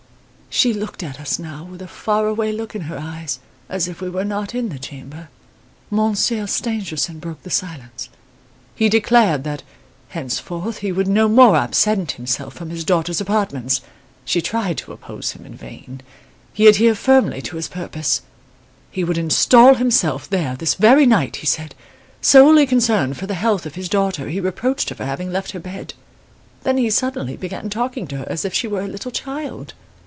"She looked at us now with a far away look in her eyes as if we were not in the chamber. Monsieur Stangerson broke the silence. He declared that, henceforth, he would no more absent himself from his daughter's apartments. She tried to oppose him in vain. He adhered firmly to his purpose. He would install himself there this very night, he said. Solely concerned for the health of his daughter, he reproached her for having left her bed. Then he suddenly began talking to her as if she were a little child.